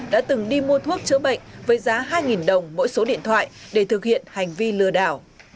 đã từng đi mua thuốc chữa bệnh với giá hai đồng mỗi số điện thoại để thực hiện hành vi lừa đảo